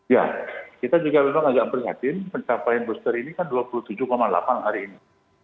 ya kita juga memang agak prihatin pencapaian booster ini kan dua puluh tujuh delapan hari ini